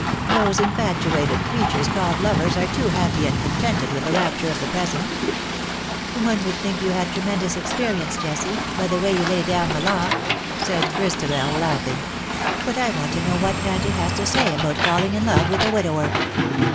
'' Those infatuated creatures VOL. I. B 2 THE DAYS TPIAT ARE NO MORE. called lovers are too tappy and contented with the rapture of the present/^ " One would think you had tremendous expe rience,, Jessie, by the way you lay down the law/^ said Christabel;, laughing. " But I want to know what Auntie has to say about falling in love with a widower